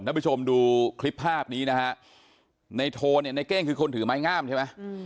ผู้ชมดูคลิปภาพนี้นะฮะในโทเนี่ยในเก้งคือคนถือไม้งามใช่ไหม